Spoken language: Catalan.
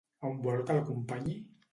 On vol que l'acompanyi?